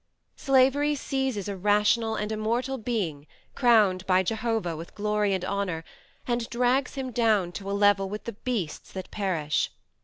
Slavery seizes a rational and immortal being crowned by Jehovah with glory and honor, and drags him down to a level with the beasts that perish.